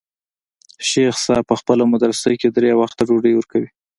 شيخ صاحب په خپله مدرسه کښې درې وخته ډوډۍ وركوي.